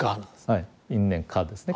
はい因縁果ですね。